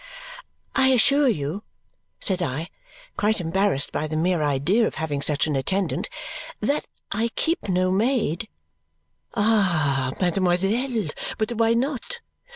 "I assure you," said I, quite embarrassed by the mere idea of having such an attendant, "that I keep no maid " "Ah, mademoiselle, but why not?